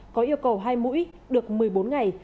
có yêu cầu hai mũi được một mươi bốn ngày